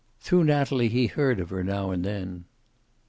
Through Natalie he heard of her now and then.